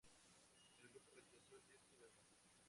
El grupo rechazó el Disco de Oro.